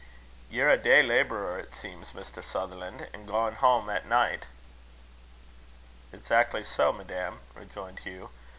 "Ye're a day labourer it seems, Mr. Sutherlan', and gang hame at night." "Exactly so, madam," rejoined Hugh.